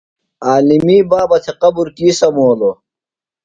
عالمی بابہ تھےۡ قبر کی سمولوۡ؟